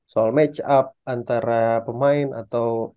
soal match up antara pemain atau